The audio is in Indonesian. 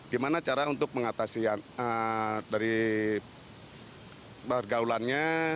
gimana cara untuk mengatasi dari bergaulannya